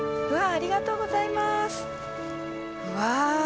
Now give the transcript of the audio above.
ありがとうございますうわ